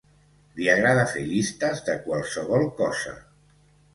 Li agrada fer llistes de qualsevol cosa.